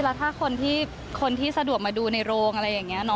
แล้วถ้าคนที่สะดวกมาดูในโรงอะไรอย่างนี้